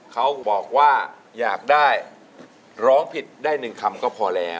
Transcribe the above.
เขาบอกว่าอยากได้ร้องผิดได้๑คำก็พอแล้ว